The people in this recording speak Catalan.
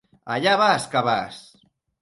Allà vas, cabàs!